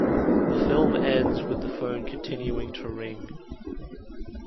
The film ends with the phone continuing to ring.